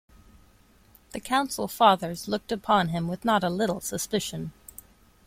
The Council Fathers looked upon him with not a little suspicion.